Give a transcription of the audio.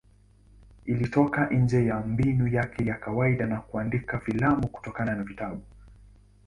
Ilitoka nje ya mbinu yake ya kawaida ya kuandika filamu kutokana na vitabu.